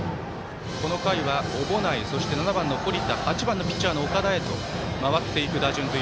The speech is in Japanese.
この回は小保内そして７番の堀田８番のピッチャーの岡田へと回っていくという打順。